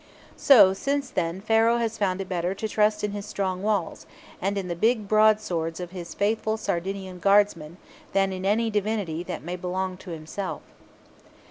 So since then Pharaoh has found it better to trust in his strong walls, and in the big broadswords of his faithful Sardinian guardsmen, than in any divinity that may belong to himself.